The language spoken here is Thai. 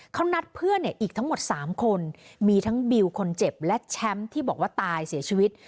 เขานัดเพื่อนอีกทั้งหมด๓คนมีทั้งบิวคนเจ็บและแชมป์ที่บอกว่าตายเสียชีวิต